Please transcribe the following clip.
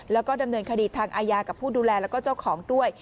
แล้วก็ดำเนินคดีทางอาญากับผู้ดูแลแล้วก็เจ้าของด้วย